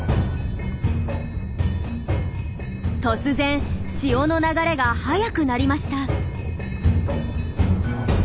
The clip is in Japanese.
突然潮の流れが速くなりました。